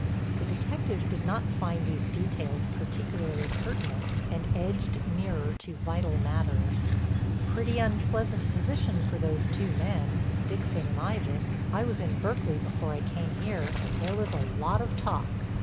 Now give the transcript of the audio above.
The detective did not find these details particularly pertinent, and edged nearer to vital matters: "Pretty unpleasant position for those two men, Dixon and Isaac. I was in Berkeley before I came here and there was a lot of talk."